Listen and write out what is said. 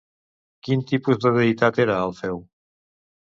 Quin tipus de deïtat era Alfeu?